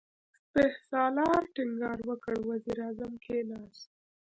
سپهسالار ټينګار وکړ، وزير اعظم کېناست.